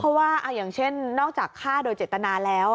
เพราะว่าอย่างเช่นนอกจากฆ่าโดยเจตนาแล้ว